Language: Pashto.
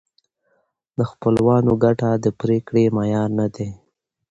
د خپلوانو ګټه د پرېکړې معیار نه دی.